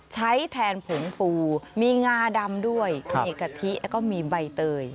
ใช้แทนผงฟูมีงาดำด้วยมีกะทิแล้วก็มีใบเตย